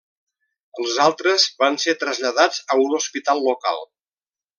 Els altres van ser traslladats a un hospital local.